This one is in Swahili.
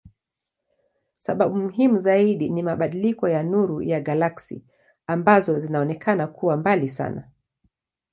Sababu muhimu zaidi ni mabadiliko ya nuru ya galaksi ambazo zinaonekana kuwa mbali sana.